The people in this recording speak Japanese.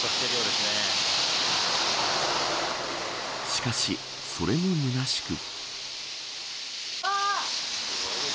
しかしそれもむなしく。